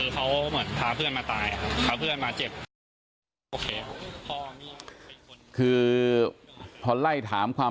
ผมมีโพสต์นึงครับว่า